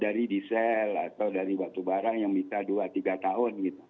dari diesel atau dari batu barang yang bisa dua tiga tahun gitu